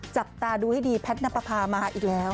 จับตาดูให้ดีแพทย์นับประพามาอีกแล้ว